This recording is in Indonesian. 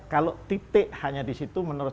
kalau titik hanya di situ menurut